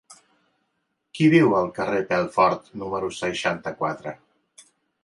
Qui viu al carrer de Pelfort número seixanta-quatre?